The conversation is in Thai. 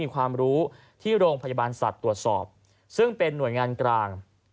ความรู้ที่โรงพยาบาลสัตว์ตรวจสอบซึ่งเป็นหน่วยงานกลาง